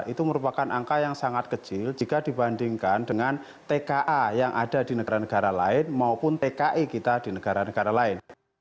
itu merupakan angka yang sangat kecil jika dibandingkan dengan tka yang ada di negara negara lain maupun tki kita di negara negara lain